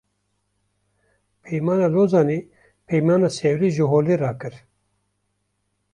Peymana Lozanê, Peymana Sewrê ji holê rakir